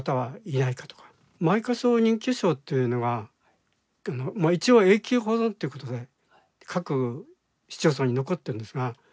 「埋火葬認許証」というのがまあ一応永久保存ということで各市町村に残ってるんですがそれを見せて頂くと。